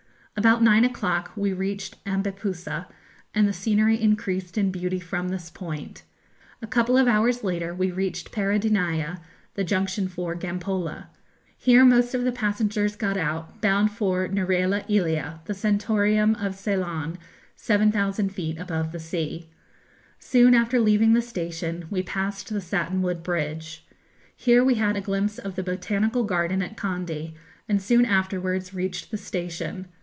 About nine o'clock we reached Ambepussa, and the scenery increased in beauty from this point. A couple of hours later we reached Peradeniya, the junction for Gampola. Here most of the passengers got out, bound for Neuera ellia, the sanatorium of Ceylon, 7,000 feet above the sea. Soon after leaving the station, we passed the Satinwood Bridge. Here we had a glimpse of the botanical garden at Kandy, and soon afterwards reached the station.